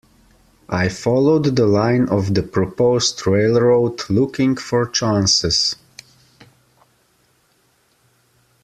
I followed the line of the proposed railroad, looking for chances.